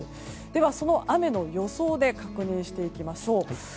では、その雨の予想で確認していきましょう。